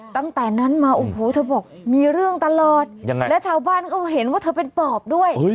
ตั้งแต่นั้นมาโอ้โหเธอบอกมีเรื่องตลอดยังไงและชาวบ้านก็เห็นว่าเธอเป็นปอบด้วย